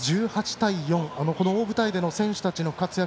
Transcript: １８対４この大舞台での選手たちの活躍